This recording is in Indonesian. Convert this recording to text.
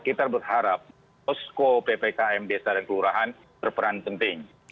kita berharap osko ppkm bsa dan kelurahan berperan penting